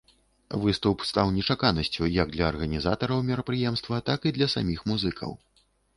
Выступ стаў нечаканасцю як для арганізатараў мерапрыемства, так і для саміх музыкаў.